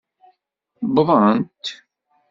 Wwḍent.